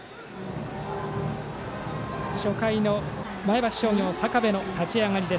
初回の前橋商業坂部の立ち上がり。